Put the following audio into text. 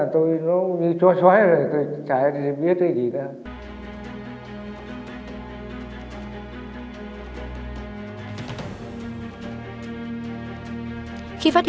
tôi hô hai bà kia